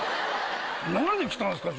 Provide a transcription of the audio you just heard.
何で来たんすか？